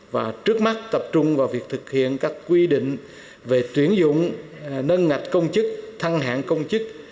và trước mắt tập trung vào việc thực hiện các quy định về tuyển dụng nâng ngạch công chức thăng hạng công chức